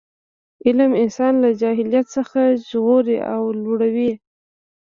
علم انسان له جهالت څخه ژغوري او لوړوي.